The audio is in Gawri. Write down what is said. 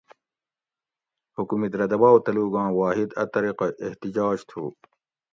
حکومت رہ دباؤ تلوگاں واحد اۤ طریقہ احتجاج تھو